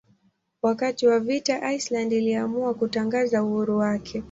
Wakati wa vita Iceland iliamua kutangaza uhuru wake.